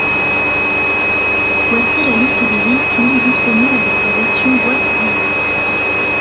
Voici la liste des véhicules disponibles avec la version boite du jeu.